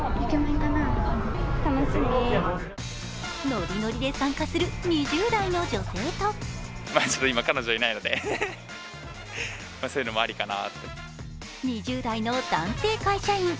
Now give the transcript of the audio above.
ノリノリで参加する２０代の女性と２０代の男性会社員。